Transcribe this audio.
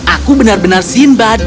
aku benar benar simbad